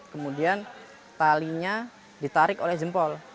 kemudian talinya ditarik oleh jempol